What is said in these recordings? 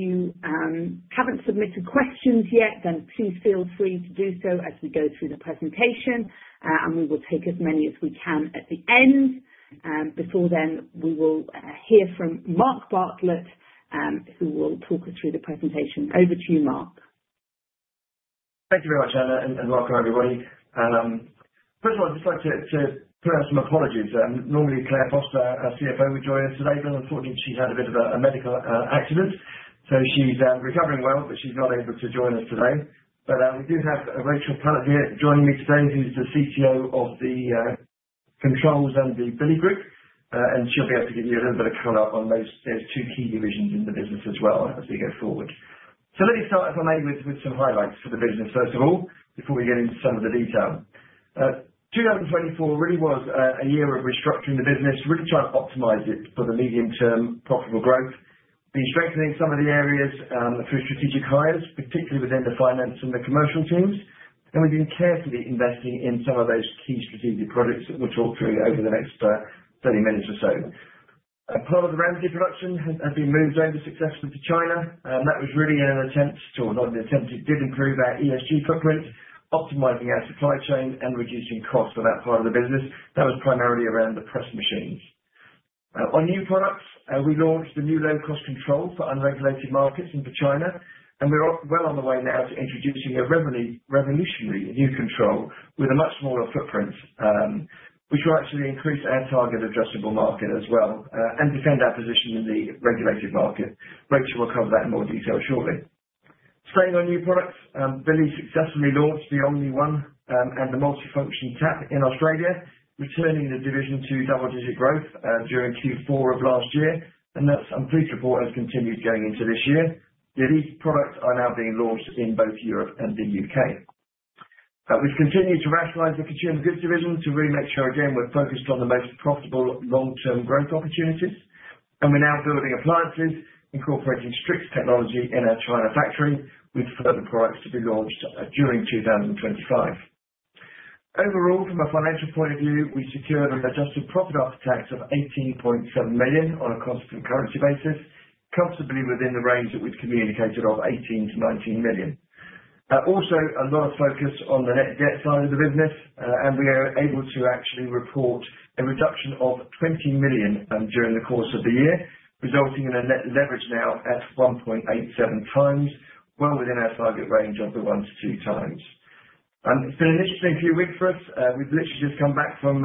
Okay. If you have not submitted questions yet, then please feel free to do so as we go through the presentation, and we will take as many as we can at the end. Before then, we will hear from Mark Bartlett, who will talk us through the presentation. Over to you, Mark. Thank you very much, Hannah, and welcome, everybody. First of all, I'd just like to put out some apologies. Normally, Clare Foster, our CFO, would join us today, but unfortunately, she's had a bit of a medical accident, so she's recovering well, but she's not able to join us today. We do have Rachel Pallett here joining me today, who's the CTO of the Controls and the Billi Group, and she'll be able to give you a little bit of color on those two key divisions in the business as well as we go forward. Let me start, if I may, with some highlights for the business, first of all, before we get into some of the detail. 2024 really was a year of restructuring the business, really trying to optimize it for the medium-term profitable growth, been strengthening some of the areas through strategic hires, particularly within the finance and the commercial teams, and we have been carefully investing in some of those key strategic projects that we will talk through over the next 30 minutes or so. Part of the Ramsey production has been moved over successfully to China. That was really an attempt to, or not an attempt, it did improve our ESG footprint, optimizing our supply chain and reducing costs for that part of the business. That was primarily around the press machines. On new products, we launched a new low-cost control for unregulated markets in China, and we're well on the way now to introducing a revolutionary new control with a much smaller footprint, which will actually increase our target addressable market as well and defend our position in the regulated market. Rachel will cover that in more detail shortly. Staying on new products, Billi successfully launched the OmniOne and the multifunction mixer tap in Australia, returning the division to double-digit growth during Q4 of last year, and that's unprecedented for what has continued going into this year. These products are now being launched in both Europe and the U.K. We've continued to rationalize the Consumer Goods division to really make sure, again, we're focused on the most profitable long-term growth opportunities, and we're now building appliances, incorporating Strix technology in our China factory with further products to be launched during 2025. Overall, from a financial point of view, we secured an adjusted profit after tax of 18.7 million on a constant currency basis, comfortably within the range that we've communicated of 18 million-19 million. Also, a lot of focus on the net debt side of the business, and we are able to actually report a reduction of 20 million during the course of the year, resulting in a net leverage now at 1.87x, well within our target range of the 1x-2x. It's been an interesting few weeks for us. We've literally just come back from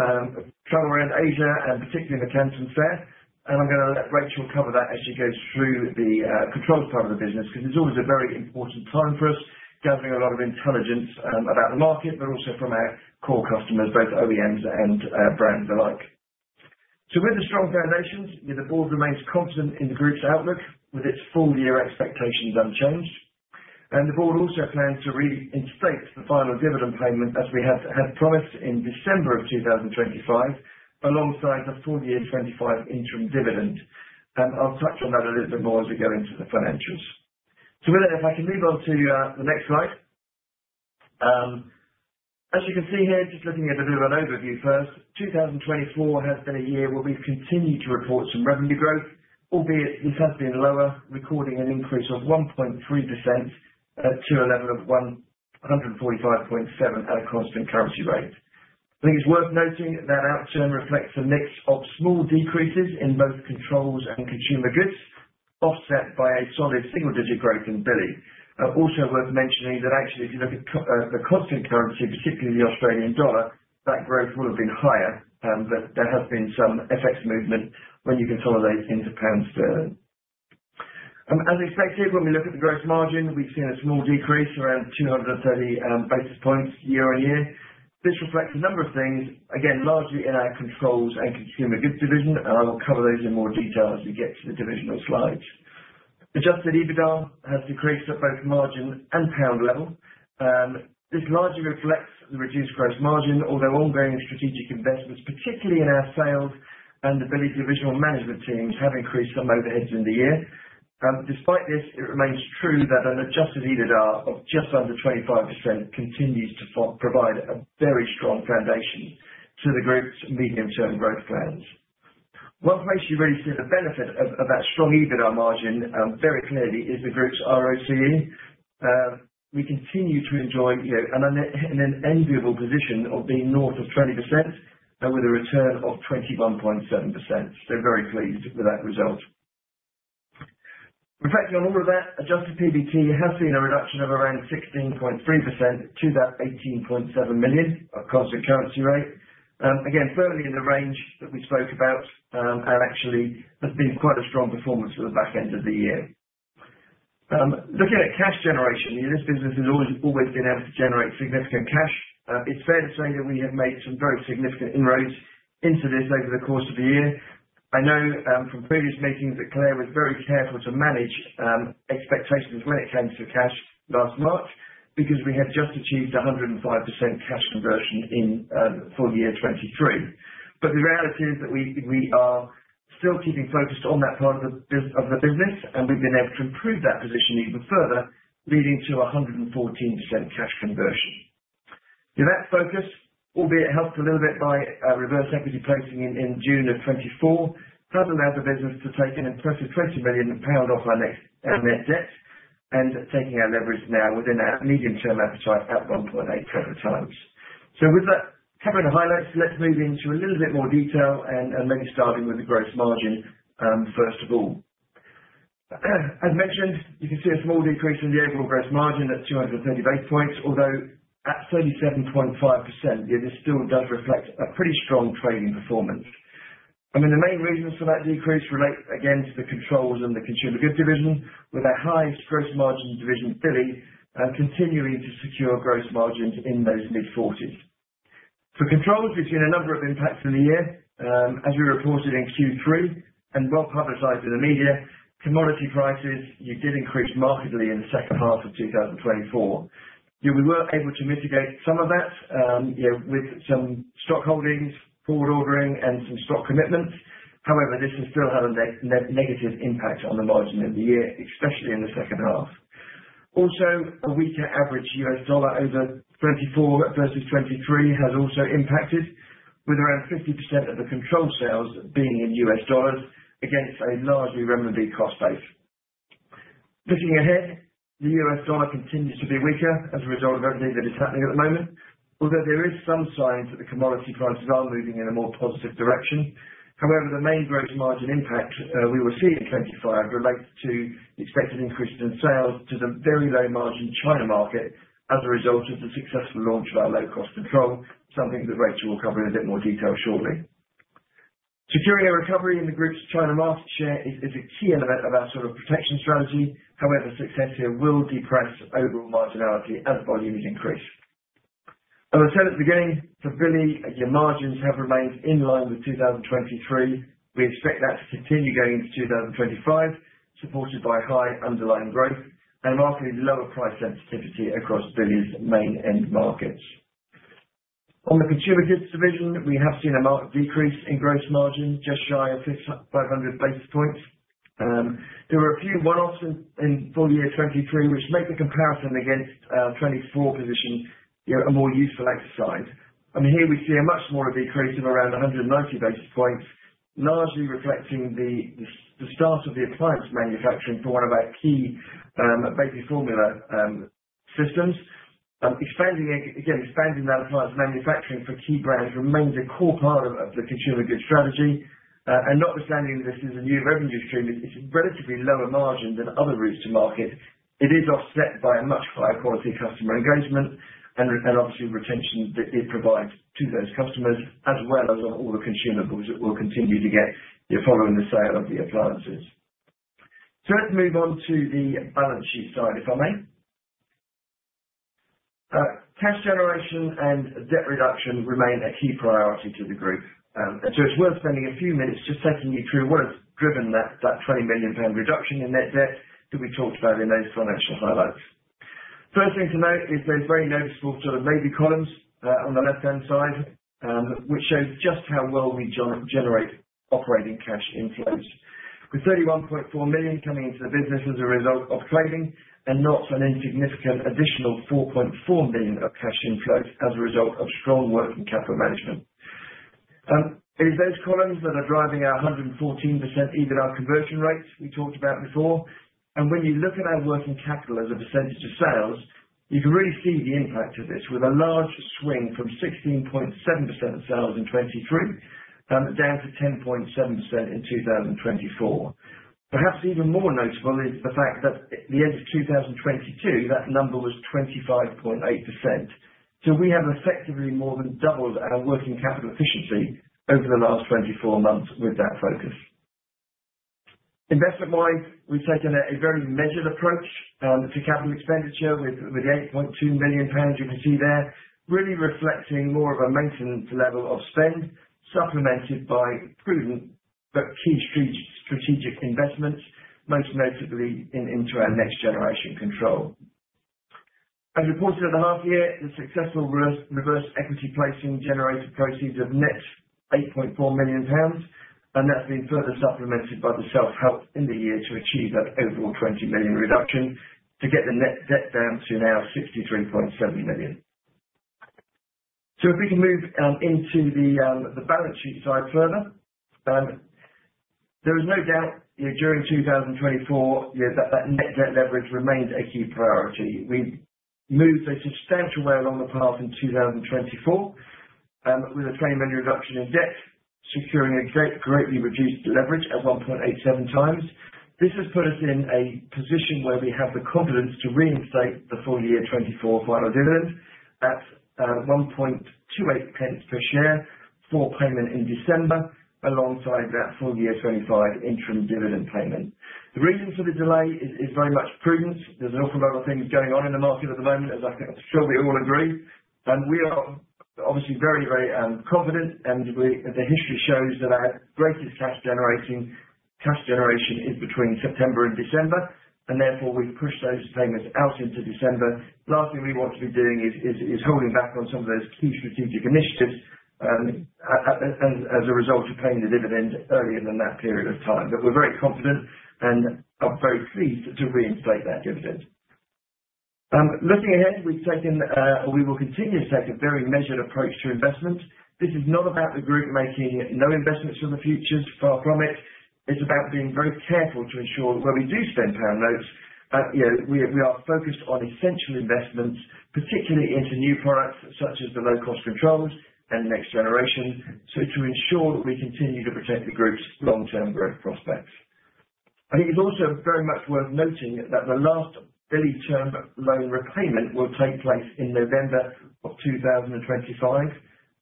travel around Asia and particularly the Canton Fair, and I'm going to let Rachel cover that as she goes through the controls part of the business because it's always a very important time for us, gathering a lot of intelligence about the market, but also from our core customers, both OEMs and brands alike. With the strong foundations, the board remains confident in the group's outlook with its full-year expectations unchanged, and the board also plans to reinstate the final dividend payment as we had promised in December of 2025, alongside the full-year 2025 interim dividend. I'll touch on that a little bit more as we go into the financials. If I can move on to the next slide. As you can see here, just looking at a bit of an overview first, 2024 has been a year where we've continued to report some revenue growth, albeit this has been lower, recording an increase of 1.3% to a level of 145.7 million at a constant currency rate. I think it's worth noting that outturn reflects a mix of small decreases in both controls and consumer goods, offset by a solid single-digit growth in Billi. Also worth mentioning that actually, if you look at the constant currency, particularly the Australian dollar, that growth will have been higher, but there has been some FX movement when you consolidate into pound sterling. As expected, when we look at the gross margin, we've seen a small decrease around 230 basis points year on year. This reflects a number of things, again, largely in our controls and consumer goods division, and I will cover those in more detail as we get to the divisional slides. Adjusted EBITDA has decreased at both margin and pound level. This largely reflects the reduced gross margin, although ongoing strategic investments, particularly in our sales and Billi's divisional management teams, have increased some overheads in the year. Despite this, it remains true that an adjusted EBITDA of just under 25% continues to provide a very strong foundation to the group's medium-term growth plans. One place you really see the benefit of that strong EBITDA margin very clearly is the group's ROCE. We continue to enjoy an enviable position of being north of 20% and with a return of 21.7%. Very pleased with that result. Reflecting on all of that, adjusted PBT has seen a reduction of around 16.3% to that 18.7 million at constant currency rate. Again, firmly in the range that we spoke about, and actually has been quite a strong performance for the back end of the year. Looking at cash generation, this business has always been able to generate significant cash. It's fair to say that we have made some very significant inroads into this over the course of the year. I know from previous meetings that Clare was very careful to manage expectations when it came to cash last March because we have just achieved 105% cash conversion in full year 2023. The reality is that we are still keeping focused on that part of the business, and we've been able to improve that position even further, leading to 114% cash conversion. That focus, albeit helped a little bit by reverse equity placing in June of 2024, has allowed the business to take an impressive 20 million pound off our net debt and taking our leverage now within our medium-term appetite at 1.87x. With that covering the highlights, let's move into a little bit more detail and maybe starting with the gross margin first of all. As mentioned, you can see a small decrease in the overall gross margin at 238 basis points, although at 37.5%, this still does reflect a pretty strong trading performance. I mean, the main reasons for that decrease relate again to the controls and the consumer goods division, with our highest gross margin division, Billi, continuing to secure gross margins in those mid-40s. For controls, we've seen a number of impacts in the year. As we reported in Q3 and well publicized in the media, commodity prices did increase markedly in the second half of 2024. We were able to mitigate some of that with some stock holdings, forward ordering, and some stock commitments. However, this has still had a negative impact on the margin in the year, especially in the second half. Also, a weaker average U.S. dollar over 2024 versus 2023 has also impacted, with around 50% of the control sales being in U.S. dollars against a largely revenue-based cost base. Looking ahead, the U.S. dollar continues to be weaker as a result of everything that is happening at the moment, although there are some signs that the commodity prices are moving in a more positive direction. However, the main gross margin impact we will see in 2025 relates to the expected increase in sales to the very low margin China market as a result of the successful launch of our low-cost control, something that Rachel will cover in a bit more detail shortly. Securing a recovery in the group's China market share is a key element of our sort of protection strategy. However, success here will depress overall marginality as volumes increase. As I said at the beginning, for Billi, your margins have remained in line with 2023. We expect that to continue going into 2025, supported by high underlying growth and markedly lower price sensitivity across Billi's main end markets. On the consumer goods division, we have seen a marked decrease in gross margin, just shy of 500 basis points. There were a few one-offs in full year 2023, which make the comparison against 2024 position a more useful exercise. I mean, here we see a much smaller decrease of around 190 basis points, largely reflecting the start of the appliance manufacturing for one of our key baby formula systems. Again, expanding that appliance manufacturing for key brands remains a core part of the consumer goods strategy. Notwithstanding this is a new revenue stream, it's relatively lower margin than other routes to market. It is offset by a much higher quality customer engagement and obviously retention that it provides to those customers, as well as on all the consumer boards that will continue to get following the sale of the appliances. Let's move on to the balance sheet side, if I may. Cash generation and debt reduction remain a key priority to the group, and so it is worth spending a few minutes just taking you through what has driven that 20 million pound reduction in net debt that we talked about in those financial highlights. First thing to note is those very noticeable sort of navy columns on the left-hand side, which show just how well we generate operating cash inflows, with 31.4 million coming into the business as a result of trading and not an insignificant additional 4.4 million of cash inflows as a result of strong working capital management. It is those columns that are driving our 114% EBITDA conversion rate we talked about before. When you look at our working capital as a percentage of sales, you can really see the impact of this with a large swing from 16.7% sales in 2023 down to 10.7% in 2024. Perhaps even more notable is the fact that at the end of 2022, that number was 25.8%. We have effectively more than doubled our working capital efficiency over the last 24 months with that focus. Investment-wise, we have taken a very measured approach to capital expenditure with the 8.2 million pounds you can see there, really reflecting more of a maintenance level of spend, supplemented by prudent but key strategic investments, most notably into our next-generation control. As reported at the half year, the successful reverse equity placing generated proceeds of net 8.4 million pounds, and that has been further supplemented by the self-help in the year to achieve that overall 20 million reduction to get the net debt down to now 63.7 million. If we can move into the balance sheet side further, there is no doubt during 2024 that net debt leverage remained a key priority. We moved a substantial way along the path in 2024 with a 20 million reduction in debt, securing a greatly reduced leverage at 1.87x. This has put us in a position where we have the confidence to reinstate the full year 2024 final dividend at 0.0128 per share for payment in December, alongside that full year 2025 interim dividend payment. The reason for the delay is very much prudence. There is an awful lot of things going on in the market at the moment, as I'm sure we all agree. We are obviously very, very confident, and the history shows that our greatest cash generation is between September and December, and therefore we have pushed those payments out into December. Last thing we want to be doing is holding back on some of those key strategic initiatives as a result of paying the dividend earlier than that period of time. We are very confident and very pleased to reinstate that dividend. Looking ahead, we will continue to take a very measured approach to investment. This is not about the group making no investments for the future, far from it. It is about being very careful to ensure where we do spend pound notes, we are focused on essential investments, particularly into new products such as the low-cost controls and next generation, to ensure that we continue to protect the group's long-term growth prospects. I think it is also very much worth noting that the last Billi term loan repayment will take place in November of 2025.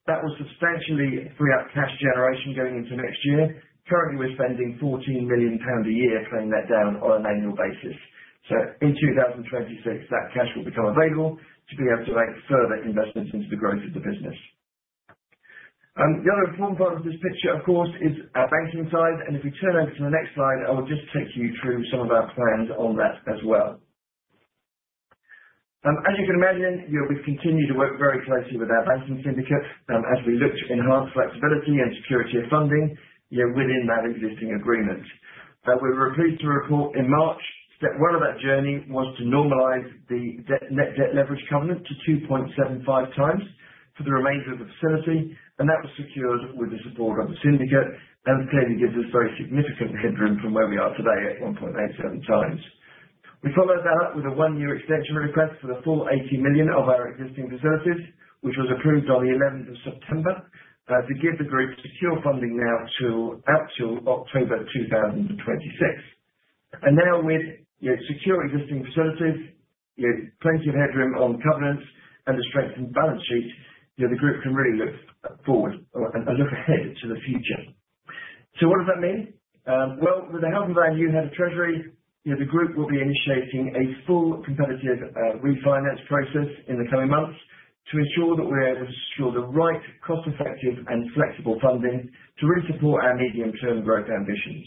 That will substantially free up cash generation going into next year. Currently, we are spending 14 million pounds a year paying that down on an annual basis. In 2026, that cash will become available to be able to make further investments into the growth of the business. The other important part of this picture, of course, is our banking side, and if we turn over to the next slide, I will just take you through some of our plans on that as well. As you can imagine, we've continued to work very closely with our banking syndicate as we look to enhance flexibility and security of funding within that existing agreement. We were pleased to report in March, step one of that journey was to normalize the net debt leverage covenant to 2.75x for the remainder of the facility, and that was secured with the support of the syndicate, and clearly gives us very significant headroom from where we are today at 1.87x. We followed that up with a one-year extension request for the full 80 million of our existing facilities, which was approved on the 11th of September to give the group secure funding now until October 2026. Now, with secure existing facilities, plenty of headroom on covenants, and a strengthened balance sheet, the group can really look forward and look ahead to the future. What does that mean? With the help of our new Head of Treasury, the group will be initiating a full competitive refinance process in the coming months to ensure that we're able to secure the right cost-effective and flexible funding to really support our medium-term growth ambitions.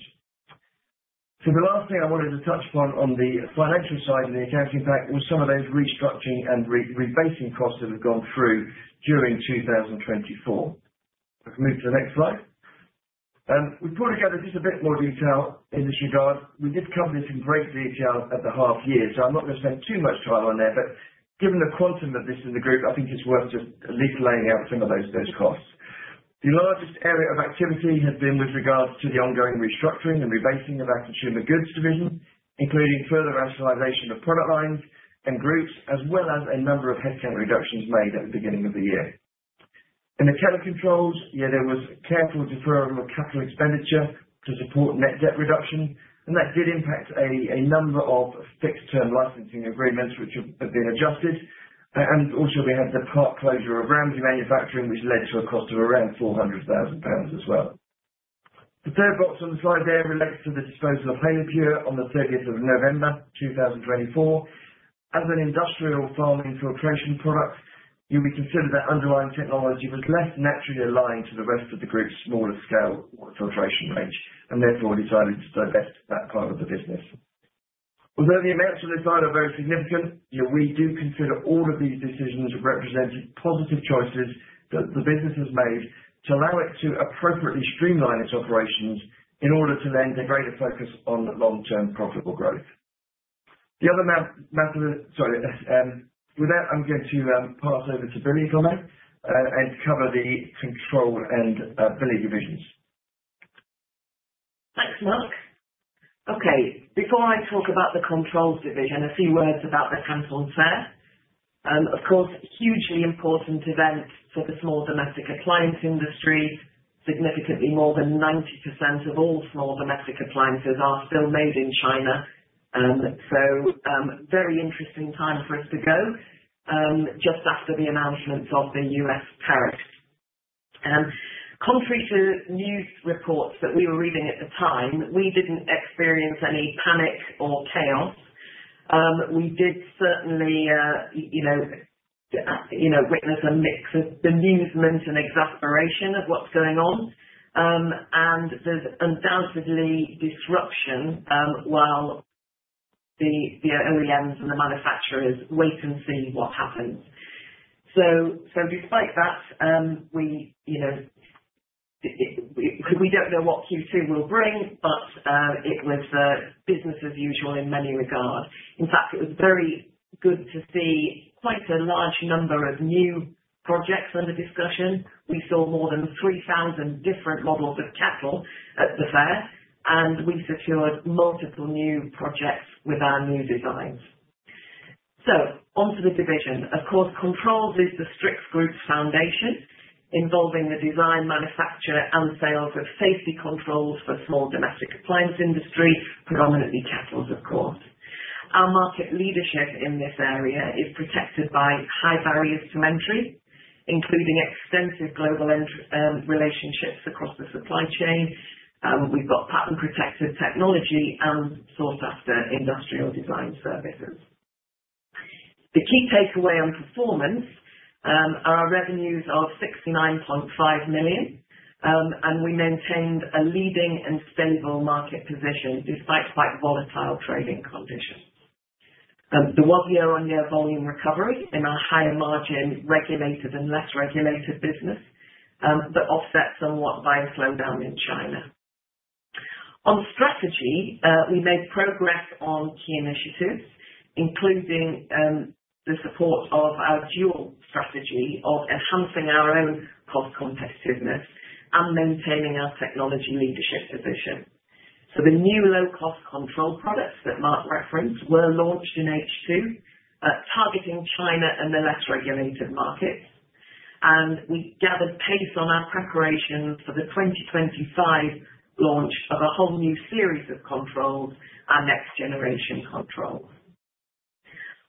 The last thing I wanted to touch upon on the financial side of the accounting pack was some of those restructuring and rebasing costs that have gone through during 2024. I can move to the next slide. We've brought together just a bit more detail in this regard. We did cover this in great detail at the half year, so I'm not going to spend too much time on there, but given the quantum of this in the group, I think it's worth just at least laying out some of those costs. The largest area of activity has been with regards to the ongoing restructuring and rebasing of our consumer goods division, including further rationalization of product lines and groups, as well as a number of headcount reductions made at the beginning of the year. In the Controls, there was careful deferral of capital expenditure to support net debt reduction, and that did impact a number of fixed-term licensing agreements which have been adjusted. We had the part closure of Ramsey Manufacturing, which led to a cost of around 400,000 pounds as well. The third box on the slide there relates to the disposal of HaloSource on the 30th of November 2024. As an industrial farming filtration product, we consider that underlying technology was less naturally aligned to the rest of the group's smaller scale filtration range and therefore decided to divest that part of the business. Although the amounts on this slide are very significant, we do consider all of these decisions represented positive choices that the business has made to allow it to appropriately streamline its operations in order to lend a greater focus on long-term profitable growth. With that, I'm going to pass over to Billi on that and cover the control and Billi divisions. Thanks, Mark. Okay, before I talk about the controls division, a few words about the Canton Fair. Of course, hugely important event for the small domestic appliance industry. Significantly more than 90% of all small domestic appliances are still made in China. Very interesting time for us to go, just after the announcements of the U.S. tariffs. Contrary to news reports that we were reading at the time, we did not experience any panic or chaos. We did certainly witness a mix of bemusement and exasperation of what is going on, and there is undoubtedly disruption while the OEMs and the manufacturers wait and see what happens. Despite that, we do not know what Q2 will bring, but it was business as usual in many regards. In fact, it was very good to see quite a large number of new projects under discussion. We saw more than 3,000 different models of kettle at the fair, and we secured multiple new projects with our new designs. Onto the division. Of course, controls is the Strix Group foundation, involving the design, manufacture, and sales of safety controls for the small domestic appliance industry, predominantly kettle, of course. Our market leadership in this area is protected by high barriers to entry, including extensive global relationships across the supply chain. We have patent-protected technology and sought-after industrial design services. The key takeaway on performance are our revenues of 69.5 million, and we maintained a leading and stable market position despite quite volatile trading conditions. There was year-on-year volume recovery in our higher-margin regulated and less regulated business, but offset somewhat by a slowdown in China. On strategy, we made progress on key initiatives, including the support of our dual strategy of enhancing our own cost competitiveness and maintaining our technology leadership position. The new low-cost control products that Mark referenced were launched in H2, targeting China and the less regulated markets, and we gathered pace on our preparation for the 2025 launch of a whole new series of controls and next-generation controls.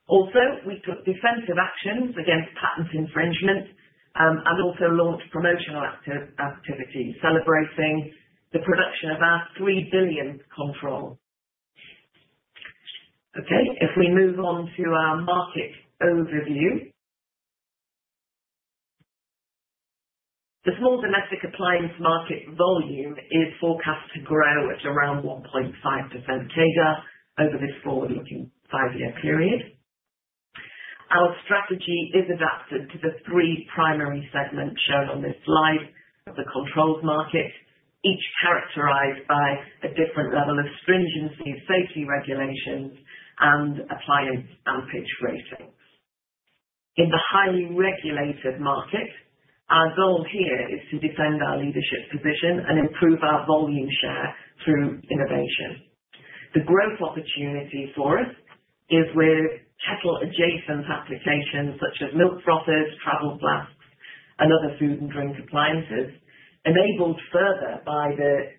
Also, we took defensive actions against patent infringement and also launched promotional activity celebrating the production of our 3 billionth control. Okay, if we move on to our market overview, the small domestic appliance market volume is forecast to grow at around 1.5% CAGR over this forward-looking five-year period. Our strategy is adapted to the three primary segments shown on this slide of the controls market, each characterized by a different level of stringency of safety regulations and appliance and pitch ratings. In the highly regulated market, our goal here is to defend our leadership position and improve our volume share through innovation. The growth opportunity for us is with kettle-adjacent applications such as milk frothers, travel flasks, and other food and drink appliances, enabled further by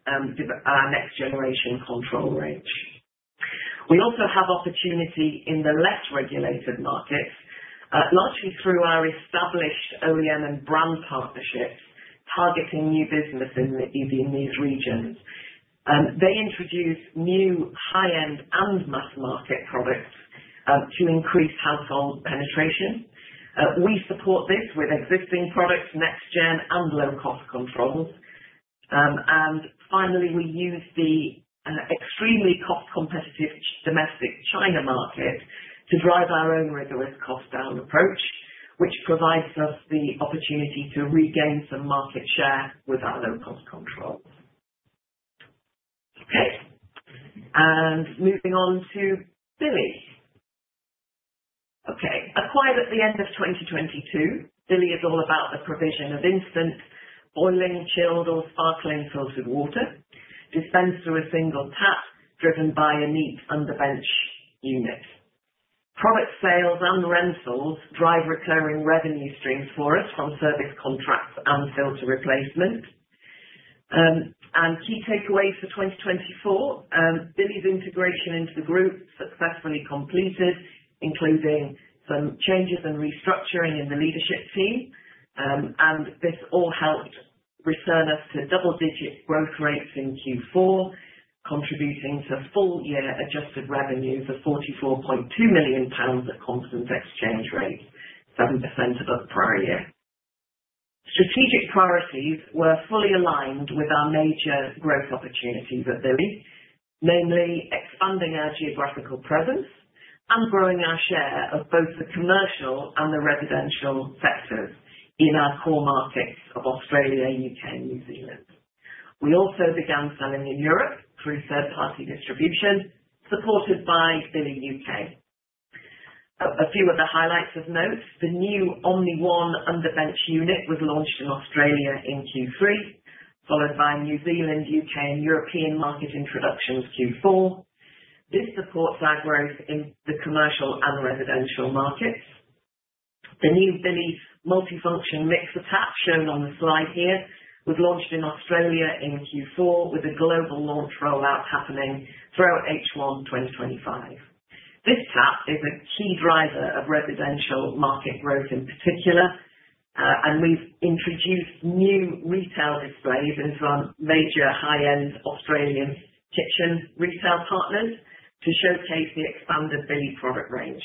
our next-generation control range. We also have opportunity in the less regulated markets, largely through our established OEM and brand partnerships targeting new business in these regions. They introduce new high-end and mass-market products to increase household penetration. We support this with existing products, next-gen, and low-cost controls. Finally, we use the extremely cost-competitive domestic China market to drive our own rigorous cost-down approach, which provides us the opportunity to regain some market share with our low-cost controls. Okay, and moving on to Billi. Okay, acquired at the end of 2022, Billi is all about the provision of instant boiling, chilled, or sparkling filtered water, dispensed through a single tap driven by a neat underbench unit. Product sales and rentals drive recurring revenue streams for us from service contracts and filter replacement. Key takeaways for 2024, Billi's integration into the group successfully completed, including some changes and restructuring in the leadership team, and this all helped return us to double-digit growth rates in Q4, contributing to full-year adjusted revenue for 44.2 million pounds at constant exchange rate, 7% above the prior year. Strategic priorities were fully aligned with our major growth opportunities at Billi, namely expanding our geographical presence and growing our share of both the commercial and the residential sectors in our core markets of Australia, U.K., and New Zealand. We also began selling in Europe through third-party distribution, supported by Billi U.K. A few of the highlights of note, the new OmniOne underbench unit was launched in Australia in Q3, followed by New Zealand, U.K., and European market introductions Q4. This supports our growth in the commercial and residential markets. The new Billi multifunction mixer tap shown on the slide here was launched in Australia in Q4, with a global launch rollout happening throughout H1 2025. This tap is a key driver of residential market growth in particular, and we've introduced new retail displays into our major high-end Australian kitchen retail partners to showcase the expanded Billi product range.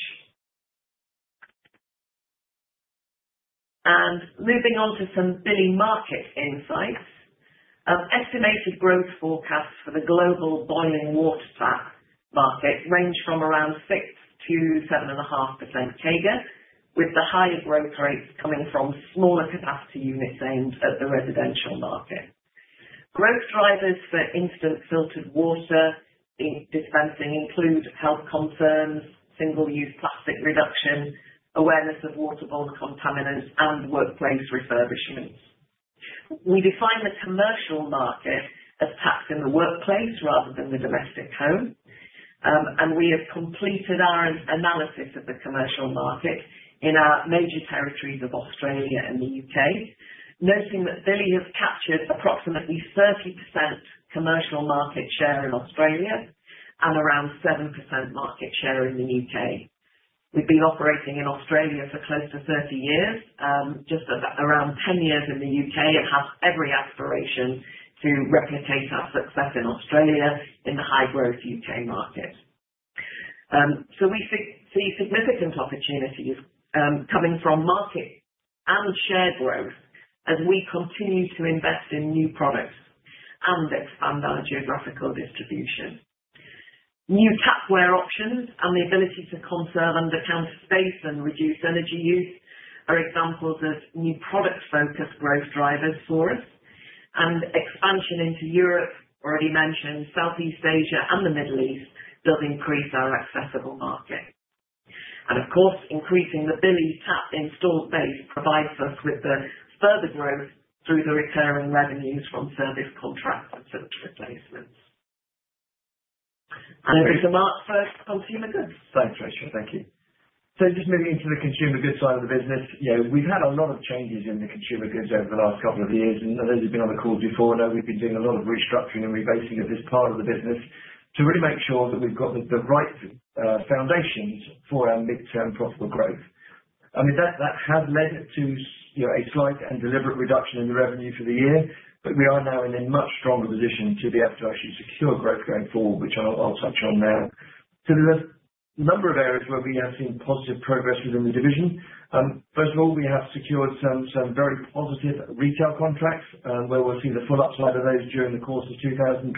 Moving on to some Billi market insights, estimated growth forecasts for the global boiling water tap market range from around 6%-7.5% CAGR, with the higher growth rates coming from smaller capacity units aimed at the residential market. Growth drivers for instant filtered water dispensing include health concerns, single-use plastic reduction, awareness of waterborne contaminants, and workplace refurbishments. We define the commercial market as taps in the workplace rather than the domestic home, and we have completed our analysis of the commercial market in our major territories of Australia and the U.K., noting that Billi has captured approximately 30% commercial market share in Australia and around 7% market share in the U.K. We've been operating in Australia for close to 30 years. Just around 10 years in the U.K., it has every aspiration to replicate our success in Australia in the high-growth U.K. market. We see significant opportunities coming from market and share growth as we continue to invest in new products and expand our geographical distribution. New tapware options and the ability to conserve undercounter space and reduce energy use are examples of new product-focused growth drivers for us, and expansion into Europe, already mentioned, Southeast Asia, and the Middle East does increase our accessible market. Of course, increasing the Billi tap installed base provides us with the further growth through the recurring revenues from service contracts and filter replacements. Over to Mark for consumer goods side. Rachel, thank you. Just moving into the consumer goods side of the business, we've had a lot of changes in the consumer goods over the last couple of years, and those who've been on the calls before know we've been doing a lot of restructuring and rebasing of this part of the business to really make sure that we've got the right foundations for our midterm profitable growth. I mean, that has led to a slight and deliberate reduction in the revenue for the year, but we are now in a much stronger position to be able to actually secure growth going forward, which I'll touch on now. There are a number of areas where we have seen positive progress within the division. First of all, we have secured some very positive retail contracts where we'll see the full upside of those during the course of 2025,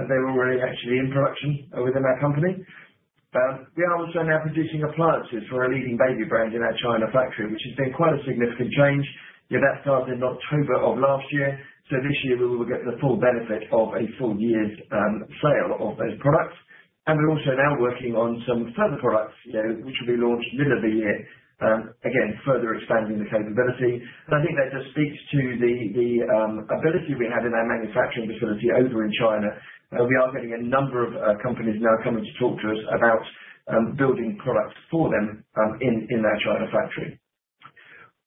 and they're already actually in production within our company. We are also now producing appliances for a leading baby brand in our China factory, which has been quite a significant change. That started in October of last year, so this year we will get the full benefit of a full year's sale of those products. We are also now working on some further products which will be launched middle of the year, again, further expanding the capability. I think that just speaks to the ability we have in our manufacturing facility over in China. We are getting a number of companies now coming to talk to us about building products for them in our China factory.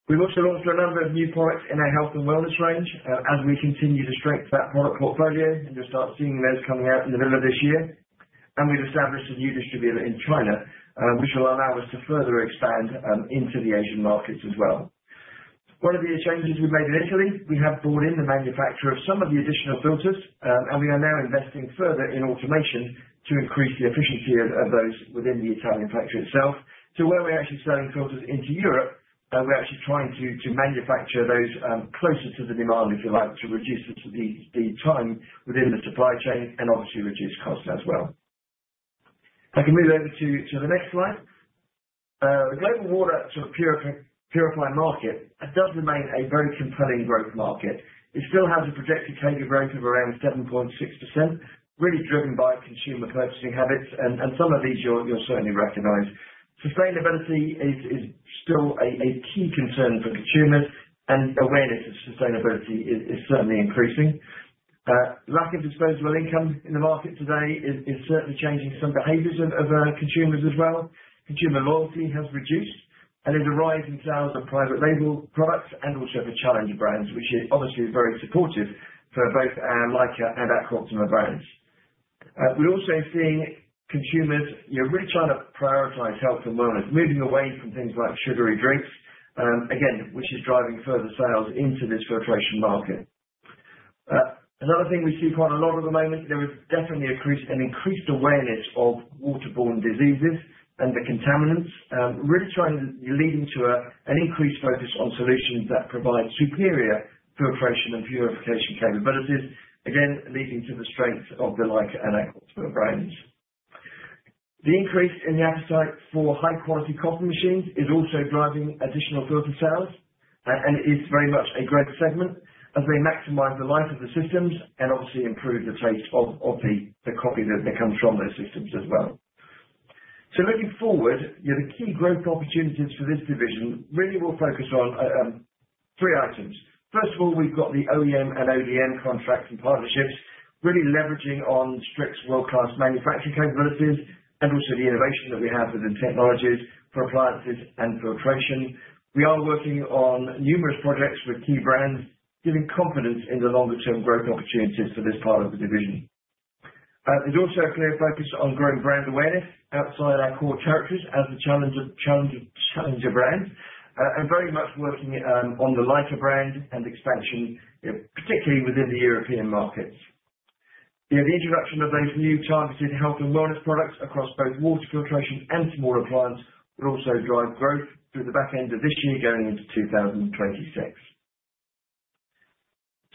We have also launched a number of new products in our health and wellness range as we continue to strengthen that product portfolio and just start seeing those coming out in the middle of this year. We have established a new distributor in China, which will allow us to further expand into the Asian markets as well. One of the changes we've made in Italy, we have brought in the manufacturer of some of the additional filters, and we are now investing further in automation to increase the efficiency of those within the Italian factory itself. Where we're actually selling filters into Europe, we're actually trying to manufacture those closer to the demand, if you like, to reduce the time within the supply chain and obviously reduce costs as well. I can move over to the next slide. The global water to purify market does remain a very compelling growth market. It still has a projected CAGR growth of around 7.6%, really driven by consumer purchasing habits, and some of these you'll certainly recognize. Sustainability is still a key concern for consumers, and awareness of sustainability is certainly increasing. Lack of disposable income in the market today is certainly changing some behaviors of consumers as well. Consumer loyalty has reduced, and there's a rise in sales of private label products and also for challenger brands, which is obviously very supportive for both our LAICA and our Aqua Optima brands. We're also seeing consumers really trying to prioritize health and wellness, moving away from things like sugary drinks, again, which is driving further sales into this filtration market. Another thing we see quite a lot at the moment, there is definitely an increased awareness of waterborne diseases and the contaminants, really trying to lead into an increased focus on solutions that provide superior filtration and purification capabilities, again, leading to the strength of the LAICA and our Aqua Optima brands. The increase in the appetite for high-quality coffee machines is also driving additional filter sales, and it is very much a growth segment as they maximize the life of the systems and obviously improve the taste of the coffee that comes from those systems as well. Looking forward, the key growth opportunities for this division really will focus on three items. First of all, we've got the OEM and ODM contracts and partnerships, really leveraging on Strix's world-class manufacturing capabilities and also the innovation that we have with the technologies for appliances and filtration. We are working on numerous projects with key brands, giving confidence in the longer-term growth opportunities for this part of the division. There is also a clear focus on growing brand awareness outside our core territories as the challenger brands, and very much working on the LAICA brand and expansion, particularly within the European markets. The introduction of those new targeted health and wellness products across both water filtration and small appliance will also drive growth through the back end of this year going into 2026.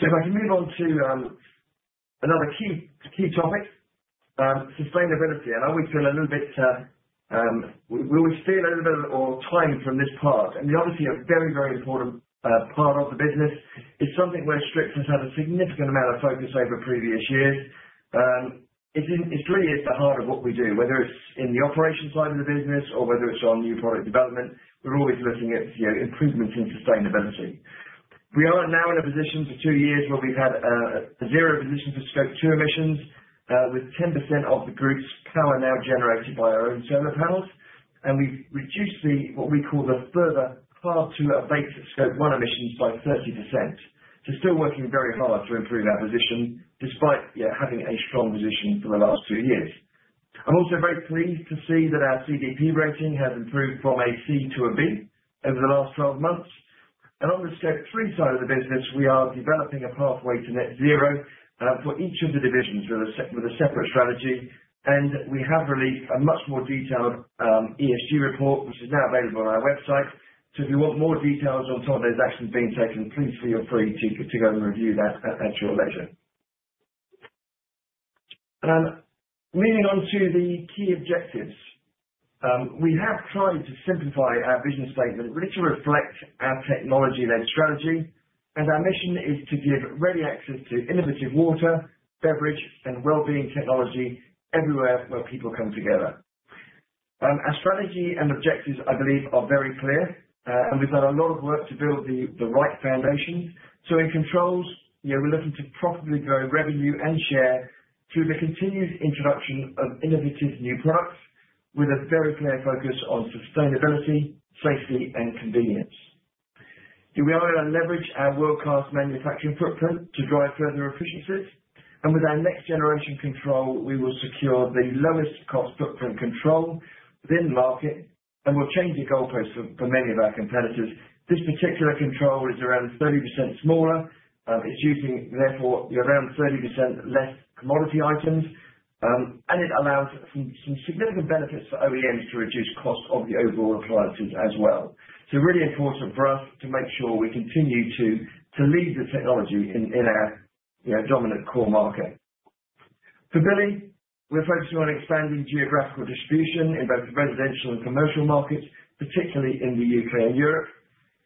If I can move on to another key topic, sustainability, I always feel a little bit we always feel a little bit of time from this part. The obviously a very, very important part of the business is something where Strix has had a significant amount of focus over previous years. It's really at the heart of what we do, whether it's in the operation side of the business or whether it's on new product development, we're always looking at improvements in sustainability. We are now in a position for two years where we've had a zero position for Scope 2 emissions, with 10% of the group's power now generated by our own solar panels, and we've reduced what we call the further hard-to-abate Scope 1 emissions by 30%. Still working very hard to improve our position despite having a strong position for the last two years. I'm also very pleased to see that our CDP rating has improved from a C to a B over the last 12 months. On the Scope 3 side of the business, we are developing a pathway to net zero for each of the divisions with a separate strategy, and we have released a much more detailed ESG report, which is now available on our website. If you want more details on top of those actions being taken, please feel free to go and review that at your leisure. Moving on to the key objectives. We have tried to simplify our vision statement, really to reflect our technology-led strategy, and our mission is to give ready access to innovative water, beverage, and well-being technology everywhere where people come together. Our strategy and objectives, I believe, are very clear, and we've done a lot of work to build the right foundation. In controls, we're looking to profitably grow revenue and share through the continued introduction of innovative new products with a very clear focus on sustainability, safety, and convenience. We are going to leverage our world-class manufacturing footprint to drive further efficiencies, and with our next-generation control, we will secure the lowest cost footprint control within the market and will change the goalpost for many of our competitors. This particular control is around 30% smaller. It's using, therefore, around 30% less commodity items, and it allows some significant benefits for OEMs to reduce costs of the overall appliances as well. It is really important for us to make sure we continue to lead the technology in our dominant core market. For Billi, we're focusing on expanding geographical distribution in both residential and commercial markets, particularly in the U.K. and Europe,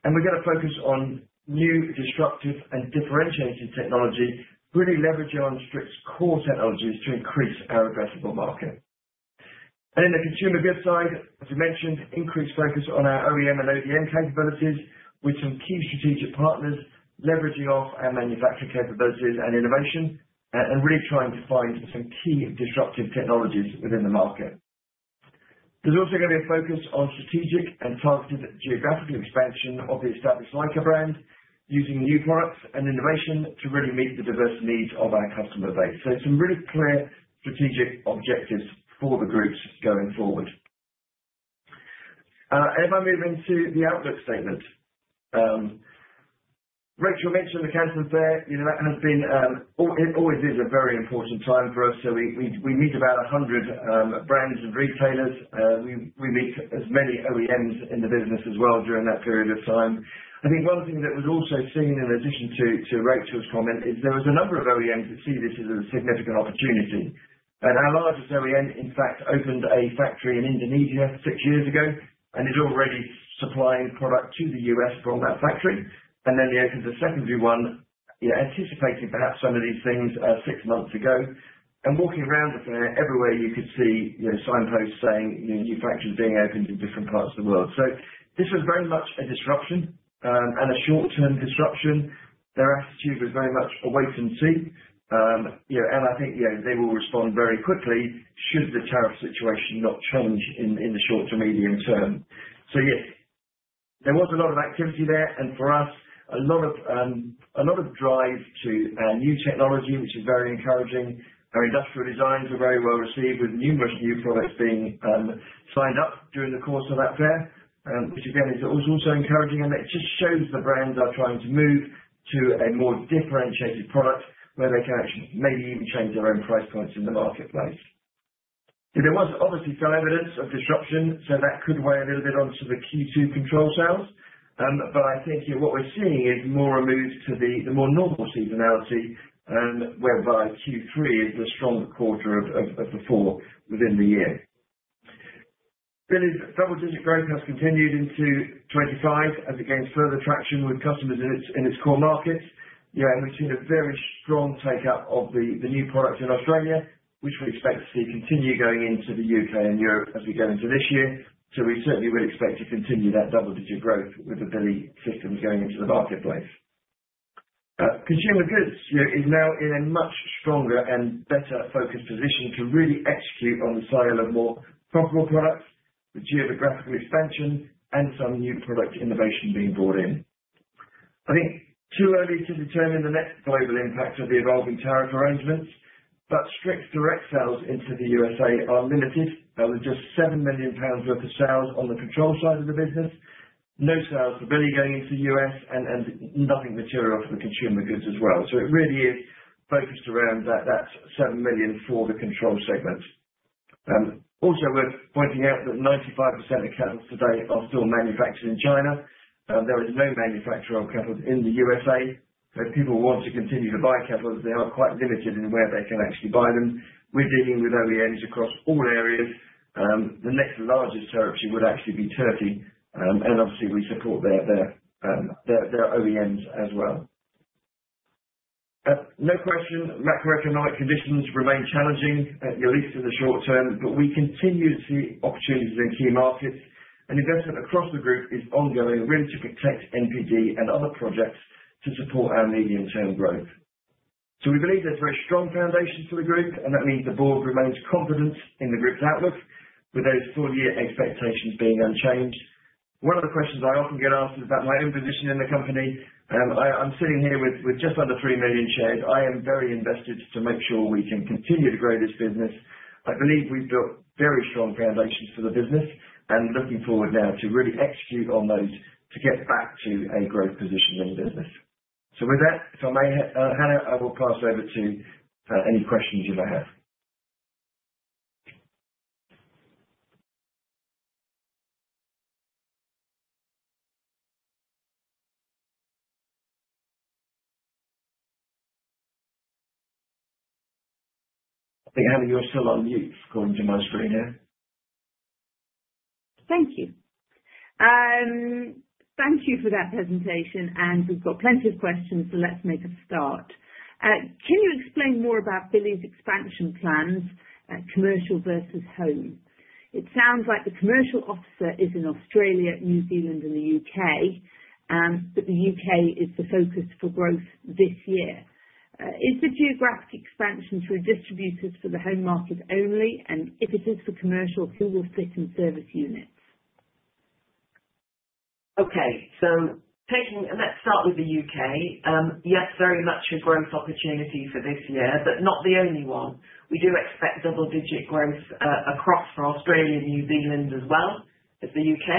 and we're going to focus on new, disruptive, and differentiated technology, really leveraging on Strix's core technologies to increase our addressable market. In the consumer goods side, as we mentioned, increased focus on our OEM and ODM capabilities with some key strategic partners leveraging off our manufacturing capabilities and innovation and really trying to find some key disruptive technologies within the market. There is also going to be a focus on strategic and targeted geographical expansion of the established LAICA brand using new products and innovation to really meet the diverse needs of our customer base. Some really clear strategic objectives for the groups going forward. If I move into the outlook statement, Rachel mentioned the Canton Fair. That has been always a very important time for us, so we meet about 100 brands and retailers. We meet as many OEMs in the business as well during that period of time. I think one thing that was also seen in addition to Rachel's comment is there was a number of OEMs that see this as a significant opportunity. Our largest OEM, in fact, opened a factory in Indonesia six years ago and is already supplying product to the U.S. from that factory. They opened a secondary one, anticipating perhaps some of these things six months ago. Walking around the fair, everywhere you could see signposts saying new factories being opened in different parts of the world. This was very much a disruption and a short-term disruption. Their attitude was very much a wait and see, and I think they will respond very quickly should the tariff situation not change in the short to medium term. Yes, there was a lot of activity there, and for us, a lot of drive to new technology, which is very encouraging. Our industrial designs were very well received with numerous new products being signed up during the course of that fair, which again is also encouraging, and it just shows the brands are trying to move to a more differentiated product where they can actually maybe even change their own price points in the marketplace. There was obviously some evidence of disruption, so that could weigh a little bit onto the Q2 control sales, but I think what we're seeing is more a move to the more normal seasonality, whereby Q3 is the stronger quarter of the four within the year. Billi's double-digit growth has continued into 2025 as it gains further traction with customers in its core markets. We've seen a very strong take-up of the new products in Australia, which we expect to see continue going into the U.K. and Europe as we get into this year. We certainly would expect to continue that double-digit growth with the Billi systems going into the marketplace. Consumer goods is now in a much stronger and better focused position to really execute on the sale of more profitable products, the geographical expansion, and some new product innovation being brought in. I think too early to determine the net global impact of the evolving tariff arrangements, but Strix's direct sales into the U.S. are limited. There was just 7 million pounds worth of sales on the control side of the business, no sales for Billi going into the U.S., and nothing material for the consumer goods as well. It really is focused around that 7 million for the control segment. Also, we're pointing out that 95% of kettles today are still manufactured in China. There is no manufacturer of kettles in the U.S. If people want to continue to buy kettles, they are quite limited in where they can actually buy them. We're dealing with OEMs across all areas. The next largest territory would actually be Turkey, and obviously we support their OEMs as well. No question, macroeconomic conditions remain challenging, at least in the short term, but we continue to see opportunities in key markets, and investment across the group is ongoing really to protect NPD and other projects to support our medium-term growth. We believe there's very strong foundations for the group, and that means the board remains confident in the group's outlook, with those full-year expectations being unchanged. One of the questions I often get asked is about my own position in the company. I'm sitting here with just under 3 million shares. I am very invested to make sure we can continue to grow this business. I believe we've built very strong foundations for the business and looking forward now to really execute on those to get back to a growth position in the business. If I may, Hannah, I will pass over to any questions you may have. I think, Hannah, you're still on mute according to my screen here. Thank you. Thank you for that presentation, and we've got plenty of questions, so let's make a start. Can you explain more about Billi's expansion plans, commercial versus home? It sounds like the commercial offer is in Australia, New Zealand, and the U.K., but the U.K. is the focus for growth this year. Is the geographic expansion through distributors for the home market only, and if it is for commercial, who will sit in service units? Okay. Let's start with the U.K. Yes, very much a growth opportunity for this year, but not the only one. We do expect double-digit growth across for Australia and New Zealand as well as the U.K.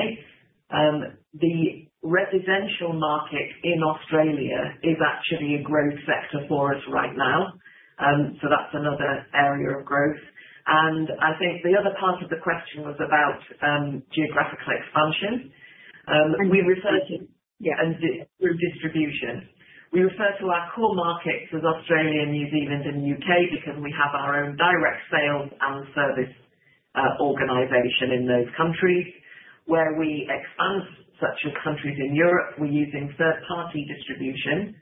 The residential market in Australia is actually a growth sector for us right now, so that's another area of growth. I think the other part of the question was about geographical expansion. We refer to, yeah, and through distribution. We refer to our core markets as Australia, New Zealand, and the U.K. because we have our own direct sales and service organization in those countries where we expand, such as countries in Europe. We're using third-party distribution,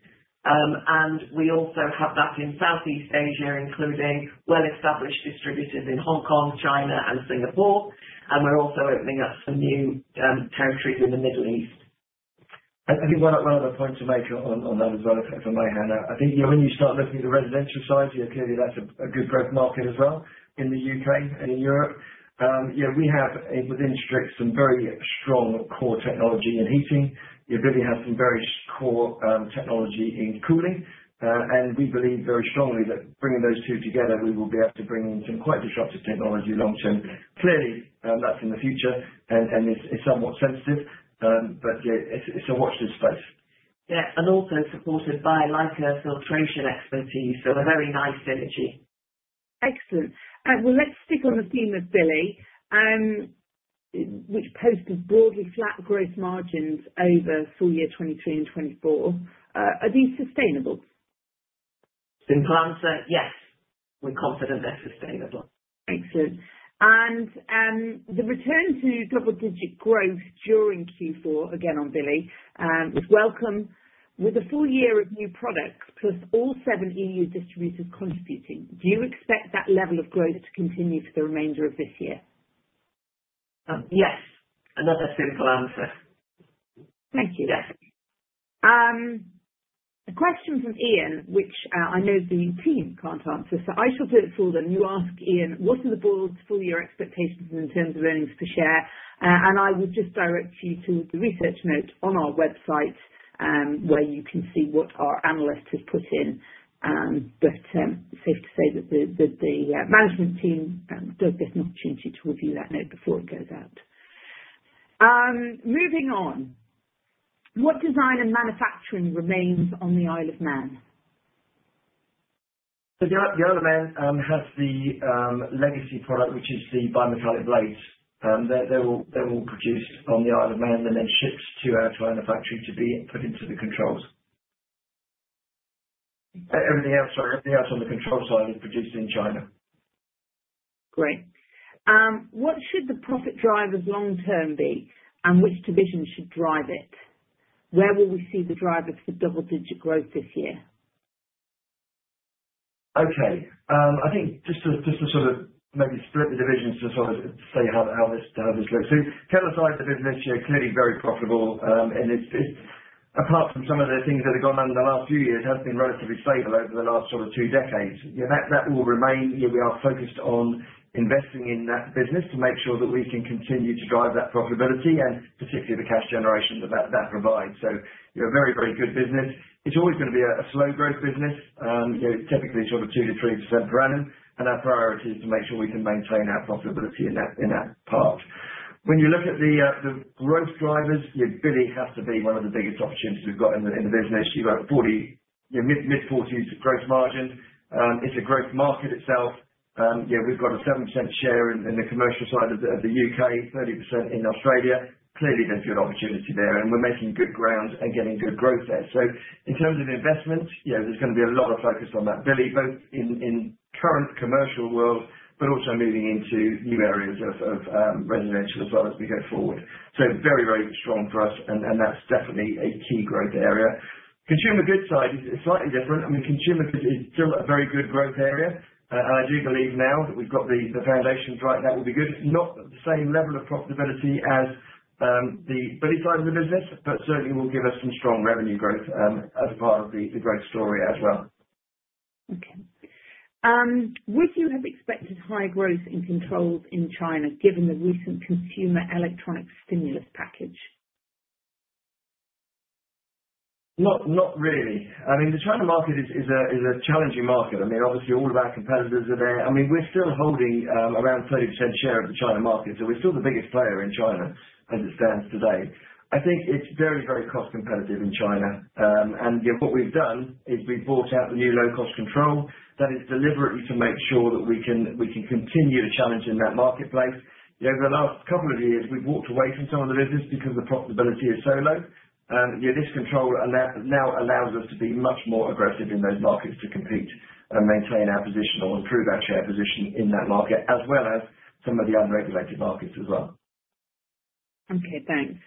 and we also have that in Southeast Asia, including well-established distributors in Hong Kong, China, and Singapore, and we're also opening up some new territories in the Middle East. I think one other point to make on that as well, if I may, Hannah. I think when you start looking at the residential side, clearly that's a good growth market as well in the U.K. and in Europe. We have, within Strix, some very strong core technology in heating. Billi has some very core technology in cooling, and we believe very strongly that bringing those two together, we will be able to bring in some quite disruptive technology long-term. Clearly, that's in the future, and it's somewhat sensitive, but it's a watchful space. Yeah, and also supported by LAICA filtration expertise, so a very nice synergy. Excellent. Let's stick on the theme of Billi, which posted broadly flat growth margins over full year 2023 and 2024. Are these sustainable? In plan, yes. We're confident they're sustainable. Excellent. The return to double-digit growth during Q4, again on Billi, was welcome with a full year of new products plus all seven EU distributors contributing. Do you expect that level of growth to continue for the remainder of this year? Yes. Another simple answer. Thank you. The question from Ian, which I know the team can't answer, so I shall do it for them. You ask Ian, what are the board's full-year expectations in terms of earnings per share? I would just direct you to the research note on our website where you can see what our analyst has put in, but safe to say that the management team does get an opportunity to review that note before it goes out. Moving on, what design and manufacturing remains on the Isle of Man? The Isle of Man has the legacy product, which is the bi-metallic blades. They will produce on the Isle of Man and then ship to our China factory to be put into the controls. Everything else on the control side is produced in China. Great. What should the profit drivers long-term be, and which division should drive it? Where will we see the drivers for double-digit growth this year? Okay. I think just to sort of maybe split the divisions to sort of see how this looks. The size of the business, clearly very profitable, and apart from some of the things that have gone on in the last few years, has been relatively stable over the last sort of two decades. That will remain. We are focused on investing in that business to make sure that we can continue to drive that profitability and particularly the cash generation that that provides. A very, very good business. It's always going to be a slow-growth business, typically sort of 2-3% per annum, and our priority is to make sure we can maintain our profitability in that part. When you look at the growth drivers, Billi has to be one of the biggest opportunities we've got in the business. You've got mid-forties growth margin. It's a growth market itself. We've got a 7% share in the commercial side of the U.K., 30% in Australia. Clearly, there's good opportunity there, and we're making good ground and getting good growth there. In terms of investment, there's going to be a lot of focus on that, Billi, both in current commercial world, but also moving into new areas of residential as well as we go forward. Very, very strong for us, and that's definitely a key growth area. Consumer goods side is slightly different. I mean, consumer goods is still a very good growth area, and I do believe now that we've got the foundations right, that will be good. Not the same level of profitability as the Billi side of the business, but certainly will give us some strong revenue growth as part of the growth story as well. Okay. Would you have expected high growth in controls in China given the recent consumer electronics stimulus package? Not really. I mean, the China market is a challenging market. I mean, obviously, all of our competitors are there. I mean, we're still holding around 30% share of the China market, so we're still the biggest player in China as it stands today. I think it's very, very cost competitive in China, and what we've done is we've brought out the new low-cost control that is deliberately to make sure that we can continue to challenge in that marketplace. Over the last couple of years, we've walked away from some of the business because the profitability is so low. This control now allows us to be much more aggressive in those markets to compete and maintain our position or improve our share position in that market, as well as some of the unregulated markets as well. Okay, thanks.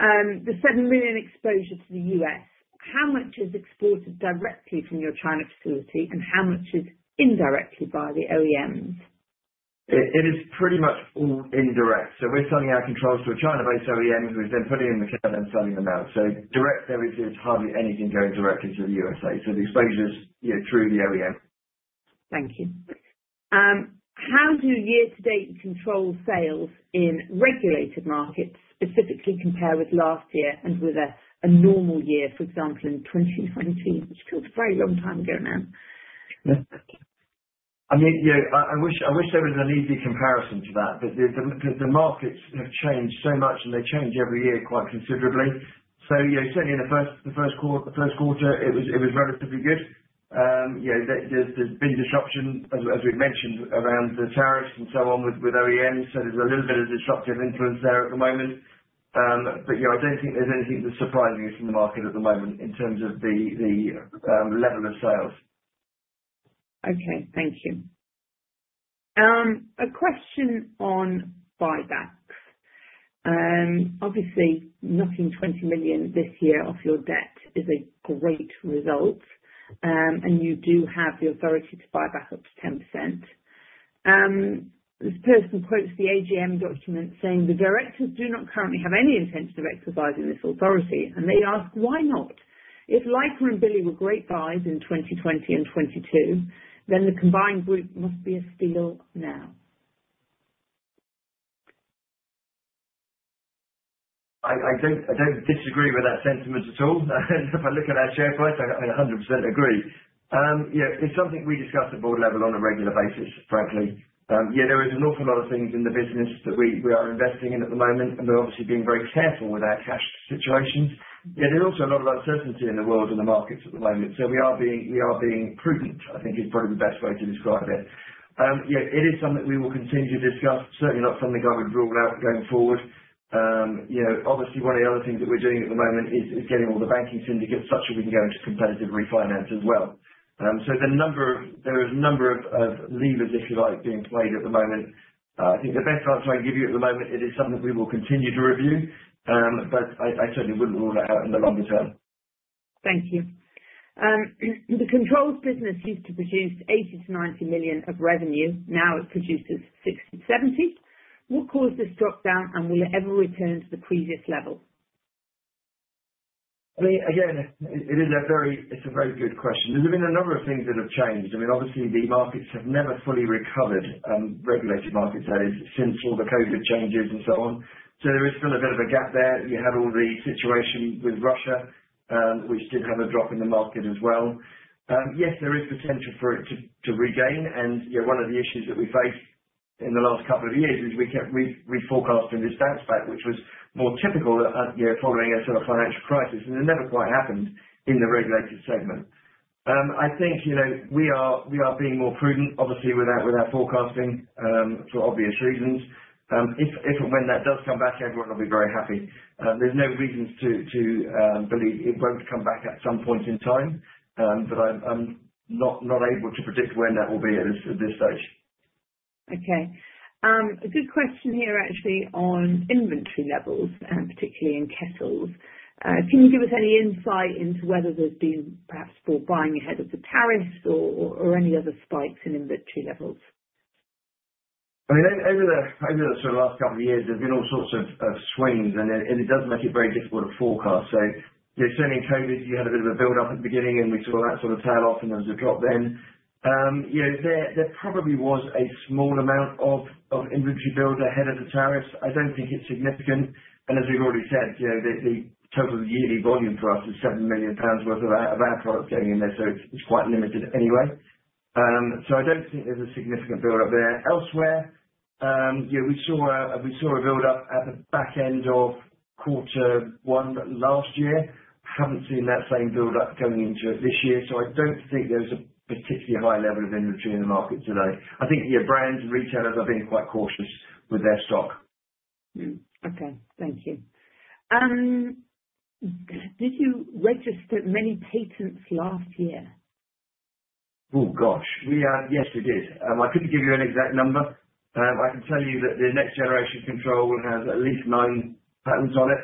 The $7 million exposure to the U.S., how much is exported directly from your China facility, and how much is indirectly by the OEMs? It is pretty much all indirect. We are selling our controls to a China-based OEM who is then putting in the [kettle] and selling them out. Direct, there is hardly anything going directly to the U.S., so the exposure is through the OEM. Thank you. How do year-to-date control sales in regulated markets specifically compare with last year and with a normal year, for example, in 2019?It is still a very long time ago now. I mean, I wish there was an easy comparison to that, but the markets have changed so much, and they change every year quite considerably. Certainly, in the first quarter, it was relatively good. There's been disruption, as we've mentioned, around the tariffs and so on with OEMs, so there's a little bit of disruptive influence there at the moment. I don't think there's anything that's surprising us in the market at the moment in terms of the level of sales. Okay, thank you. A question on buybacks. Obviously, knocking 20 million this year off your debt is a great result, and you do have the authority to buy back up to 10%. This person quotes the AGM document saying, "The directors do not currently have any intention of exercising this authority," and they ask, "Why not? If LAICA and Billi were great buys in 2020 and 2022, then the combined group must be a steal now." I don't disagree with that sentiment at all. If I look at our share price, I 100% agree. It's something we discuss at board level on a regular basis, frankly. There is an awful lot of things in the business that we are investing in at the moment, and we're obviously being very careful with our cash situations. There's also a lot of uncertainty in the world and the markets at the moment, so we are being prudent, I think, is probably the best way to describe it. It is something we will continue to discuss, certainly not something I would rule out going forward. Obviously, one of the other things that we're doing at the moment is getting all the banking syndicates such that we can go into competitive refinance as well. There are a number of levers, if you like, being played at the moment. I think the best answer I can give you at the moment is it is something we will continue to review, but I certainly would not rule that out in the longer term. Thank you. The controls business used to produce $80 million-$90 million of revenue. Now it produces $60 million-$70 million. What caused this dropdown, and will it ever return to the previous level? Again, it is a very good question. There have been a number of things that have changed. I mean, obviously, the markets have never fully recovered, regulated markets, that is, since all the COVID changes and so on. There is still a bit of a gap there. You had all the situation with Russia, which did have a drop in the market as well. Yes, there is potential for it to regain, and one of the issues that we faced in the last couple of years is we forecasted this bounce back, which was more typical following a sort of financial crisis, and it never quite happened in the regulated segment. I think we are being more prudent, obviously, with our forecasting for obvious reasons. If and when that does come back, everyone will be very happy. There's no reason to believe it won't come back at some point in time, but I'm not able to predict when that will be at this stage. Okay. A good question here, actually, on inventory levels, particularly in kettles. Can you give us any insight into whether there's been perhaps buying ahead of the tariffs or any other spikes in inventory levels? I mean, over the last couple of years, there have been all sorts of swings, and it does make it very difficult to forecast. Certainly, in COVID, you had a bit of a build-up at the beginning, and we saw that sort of tail off, and there was a drop then. There probably was a small amount of inventory build ahead of the tariffs. I do not think it is significant. As we have already said, the total yearly volume for us is 7 million pounds worth of our product going in there, so it is quite limited anyway. I do not think there is a significant build-up there. Elsewhere, we saw a build-up at the back end of quarter one last year. I have not seen that same build-up going into it this year, so I do not think there is a particularly high level of inventory in the market today. I think brands and retailers are being quite cautious with their stock. Okay. Thank you. Did you register many patents last year? Oh, gosh. Yes, we did. I couldn't give you an exact number. I can tell you that the next-generation control has at least nine patents on it.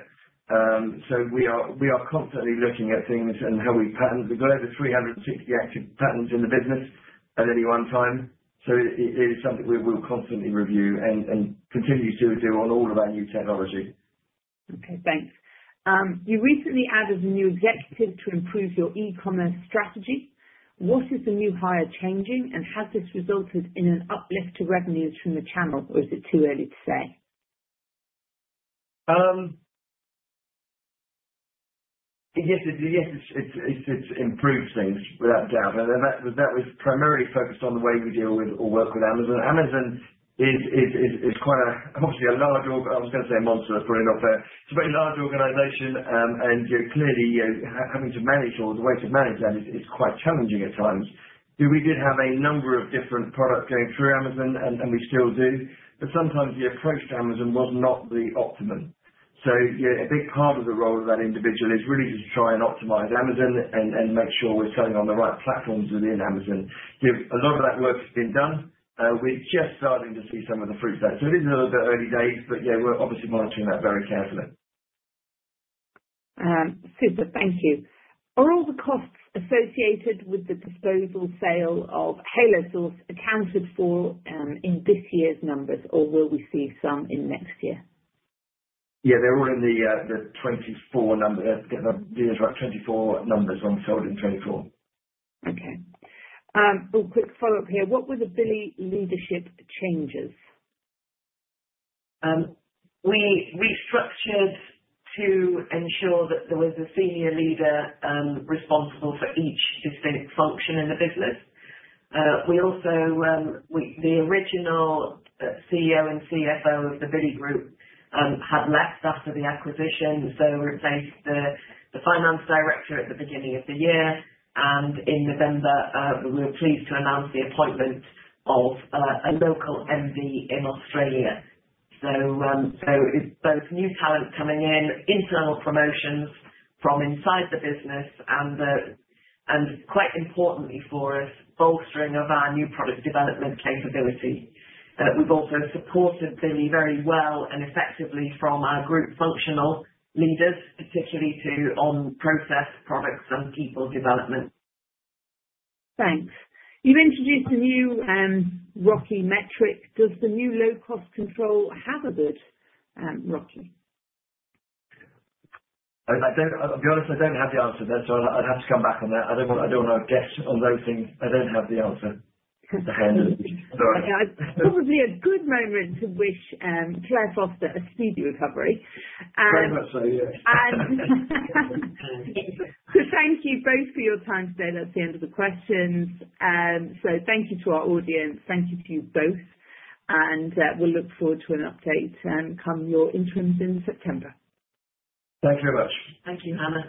We are constantly looking at things and how we patent. We've got over 360 active patents in the business at any one time. It is something we will constantly review and continue to do on all of our new technology. Okay. Thanks. You recently added a new executive to improve your e-commerce strategy. What is the new hire changing, and has this resulted in an uplift to revenues from the channel, or is it too early to say? Yes, it's improved things, without a doubt. That was primarily focused on the way we deal with or work with Amazon. Amazon is quite a, obviously, a large—I was going to say a monster, but it's probably not fair. It's a very large organization, and clearly, having to manage all the ways to manage that is quite challenging at times. We did have a number of different products going through Amazon, and we still do, but sometimes the approach to Amazon was not the optimum. A big part of the role of that individual is really just to try and optimize Amazon and make sure we're selling on the right platforms within Amazon. A lot of that work has been done. We're just starting to see some of the fruits there. It is a little bit early days, but we're obviously monitoring that very carefully. Super. Thank you. Are all the costs associated with the disposal sale of HaloSource accounted for in this year's numbers, or will we see some in next year? Yeah, they're all in the 2024 numbers. The 2024 numbers on the sale in 2024. Okay. A quick follow-up here. What were the Billi leadership changes? We restructured to ensure that there was a senior leader responsible for each distinct function in the business. The original CEO and CFO of the Billi Group had left after the acquisition, so replaced the finance director at the beginning of the year. In November, we were pleased to announce the appointment of a local MD in Australia. It is both new talent coming in, internal promotions from inside the business, and quite importantly for us, bolstering of our new product development capability. We've also supported Billi very well and effectively from our group functional leaders, particularly on process, products, and people development. Thanks. You've introduced a new ROCE metric. Does the new low-cost control have a good ROCE? To be honest, I don't have the answer to that, so I'd have to come back on that. I don't want to guess on those things. I don't have the answer to hand. Sorry. Probably a good moment to wish Clare Foster a speedy recovery. Very much so, yes. Thank you both for your time today. That's the end of the questions. Thank you to our audience. Thank you to you both, and we'll look forward to an update come your interims in September. Thank you very much. Thank you, Hannah.